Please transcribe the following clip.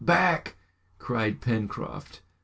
"Back!" cried Pencroft.